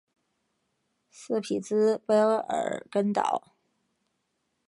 斯匹兹卑尔根岛。